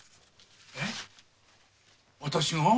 えっ私が？